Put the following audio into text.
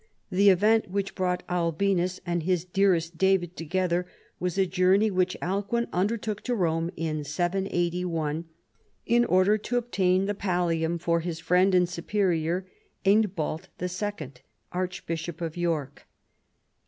The event which brought " Albinus " and his " dearest David " together was a journey which Alcuin undertook to Rome in 781, in order to obtain the pallium for his friend and superior, Eanbald II,, Archbishop of York.